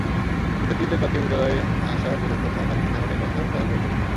শিক্ষার্থীদের পক্ষে বিদ্যালয়ে আসা দূরের কথা, বাড়িতে থাকাটাই কষ্টকর হয়ে পড়েছে।